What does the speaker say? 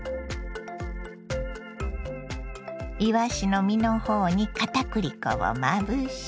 いわしの身の方にかたくり粉をまぶし。